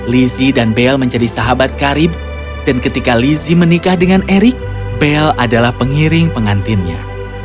lizzie dan bel menjadi sahabat karib dan ketika lizzie menikah dengan erik bel adalah pengiring pengantinnya